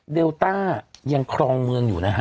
เลต้ายังครองเมืองอยู่นะฮะ